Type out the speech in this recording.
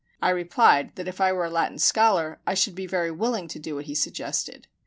I replied that if I were a Latin scholar I should be very willing to do what he suggested.